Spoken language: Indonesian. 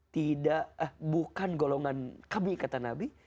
tidak bukan golongan kami kata nabi